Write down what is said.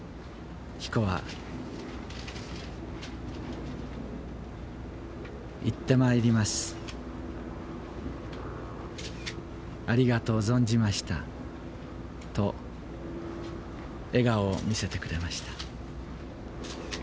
紀子は、行ってまいります、ありがとうぞんじましたと、笑顔を見せてくれました。